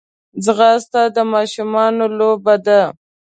ځغاسته د ماشومانو لوبه ده